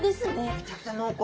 めちゃくちゃ濃厚！